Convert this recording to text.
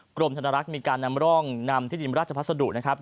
กรมธนรักษ์มีการนำร่องนำที่ดินราชภัสดุนะครับ